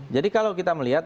jadi kalau kita melihat